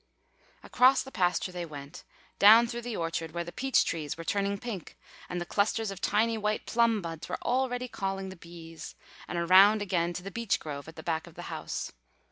Across the pasture they went, down through the orchard where the peach trees were turning pink and the clusters of tiny white plum buds were already calling the bees, and around again to the beech grove at the back of the house.